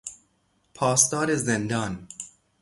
پاسدار زندان